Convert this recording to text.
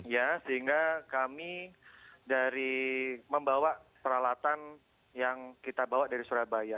ya sehingga kami dari membawa peralatan yang kita bawa dari surabaya